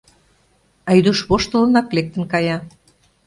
Айдуш воштылынак лектын кая.